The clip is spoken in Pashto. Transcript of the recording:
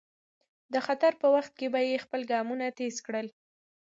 د خطر په وخت کې به یې خپل ګامونه تېز کړل.